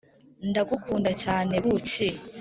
ndagukunda cyane, buki.